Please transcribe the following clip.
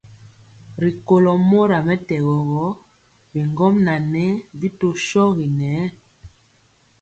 Rikólo mora mɛtɛgɔ gɔ, bigɔmŋa ŋɛɛ bi tɔ shogi ŋɛɛ.